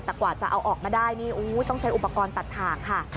แต่กว่าจะเอาออกมาได้นี่ต้องใช้อุปกรณ์ตัดถ่างค่ะ